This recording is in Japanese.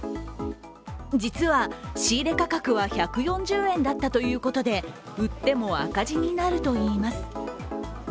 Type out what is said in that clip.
実は仕入れ価格は１４０円だったということで、売っても赤字になるといいます。